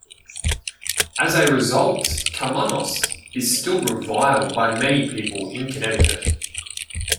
As a result, Karmanos is still reviled by many people in Connecticut.